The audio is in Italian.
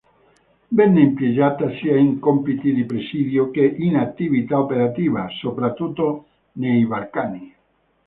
Venne impiegata sia in compiti di presidio che in attività operativa, soprattutto nei Balcani.